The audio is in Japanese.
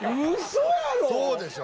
そうでしょ